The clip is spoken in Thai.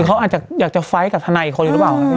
เขาอาจจะไฟต์กับธนาอีกคนรึเปล่า